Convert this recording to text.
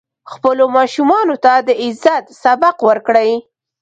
خپلو ماشومانو ته د عزت سبق ورکړئ.